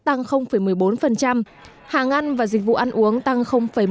tăng một mươi bốn hàng ăn và dịch vụ ăn uống tăng một mươi một